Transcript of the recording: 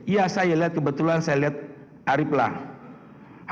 iya saya lihat kebetulan saya lihat arief lah